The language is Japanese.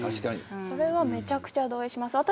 それはめちゃくちゃ同意します。